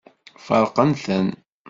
Feṛqen-ten.